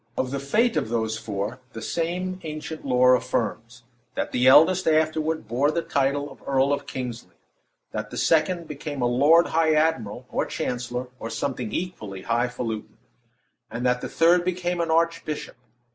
Of the fate of those four, the same ancient lore affirms: "That the eldest afterward bore the title of Earl of Kingsley; that the second became a lord high admiral, or chancellor, or something equally highfalutin; and that the third became an archbishop.